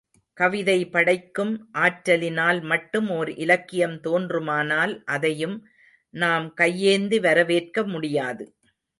கவிதை படைக்கும் ஆற்றலினால் மட்டும் ஓர் இலக்கியம் தோன்றுமானால் அதையும் நாம் கையேந்தி வரவேற்க முடியாது.